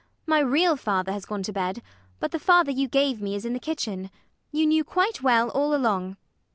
My real father has gone to bed; but the father you gave me is in the kitchen. You knew quite well all along.